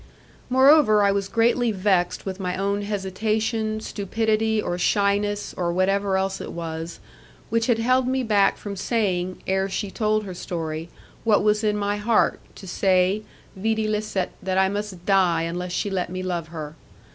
Moreover, I was greatly vexed with my own hesitation, stupidity, or shyness, or whatever else it was, which had held me back from saying, ere she told her story, what was in my heart to say, videlicet, that I must die unless she let me love her.